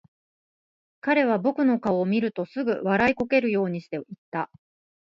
彼は僕の顔を見るとすぐ、笑いこけるようにして言った。